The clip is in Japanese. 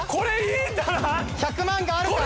１００万があるか？